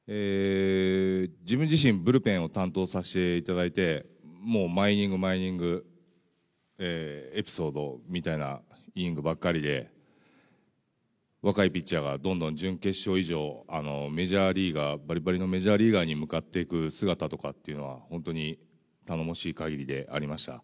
自分自身、ブルペンを担当させていただいて、もう毎イニング、毎イニング、エピソードみたいなイニングばっかりで、若いピッチャーがどんどん準決勝以上、メジャーリーガーばりばりのメジャーリーガーに向かっていく姿とかっていうのは、本当に頼もしいかぎりでありました。